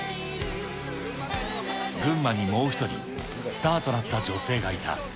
群馬にもう１人、スターとなった女性がいた。